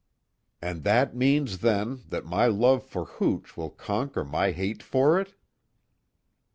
"And that means, then, that my love for hooch will conquer my hate for it?"